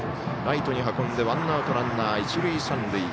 ライトに運んでワンアウトランナー、一塁三塁。